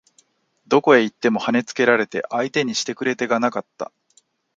どこへ行っても跳ね付けられて相手にしてくれ手がなかった